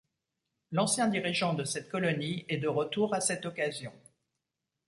L'ancien dirigeant de cette colonie est de retour à cette occasion.